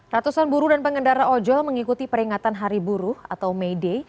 ratusan buruh dan pengendara ojol mengikuti peringatan hari buruh atau may day